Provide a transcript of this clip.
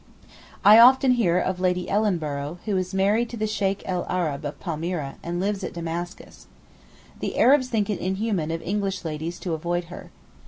I often hear of Lady Ellenborough, who is married to the Sheykh el Arab of Palmyra, and lives at Damascus. The Arabs think it inhuman of English ladies to avoid her.